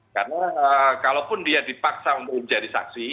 karena kalaupun dia dipaksa untuk menjadi saksi